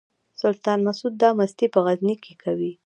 سلطان مسعود دا مستي په غزني کې کوي.